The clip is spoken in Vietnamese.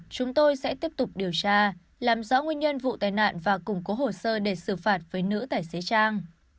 chúng tôi sẽ tiếp tục điều tra làm rõ nguyên nhân vụ tai nạn và củng cố hồ sơ để xử phạt với nữ tài xế trang